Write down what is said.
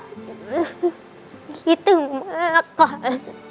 และมันคิดถึงมากกว่า